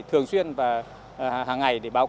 thường xuyên và hàng ngày để báo cáo